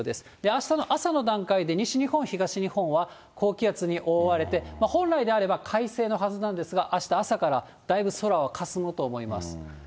あしたの朝の段階で西日本、東日本は高気圧に覆われて、本来であれば快晴のはずなんですが、あした朝からだいぶ空はかすむと思います。